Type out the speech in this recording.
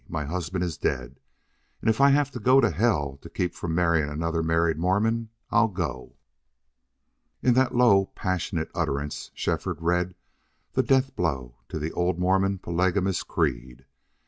My husband is dead... and if I have to go to hell to keep from marrying another married Mormon, I'll go!" In that low, passionate utterance Shefford read the death blow to the old Mormon polygamous creed.